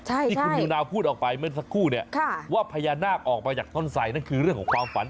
ที่คุณนิวนาวพูดออกไปเมื่อสักครู่เนี่ยว่าพญานาคออกมาจากต้นไสนั่นคือเรื่องของความฝัน